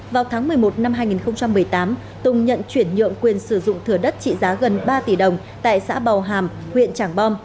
vào tháng một mươi một năm hai nghìn một mươi tám tùng nhận chuyển nhượng quyền sử dụng thừa đất trị giá gần ba tỷ đồng tại xã bào hàm huyện trảng bom